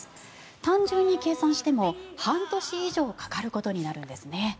単純に計算しても半年以上かかることになるんですね。